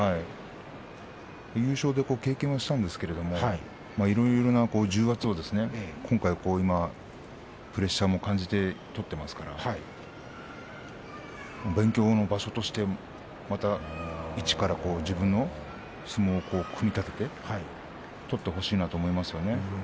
優勝という経験はしたんですけれどいろいろな重圧を今回はプレッシャーも感じて相撲を取っていますから勉強の場所としてまた一から自分の相撲を組み立てて取ってほしいなと思います。